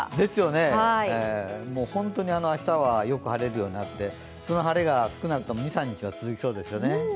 ホントに明日はよく晴れるようになって、その晴れが少なくとも２３日は続きそうです。